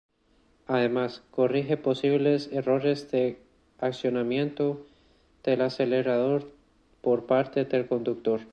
Además, corrige posibles errores de accionamiento del acelerador por parte del conductor.